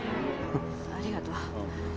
ありがとう。